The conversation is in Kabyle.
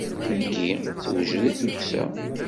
Tayi tewjed i tukksa.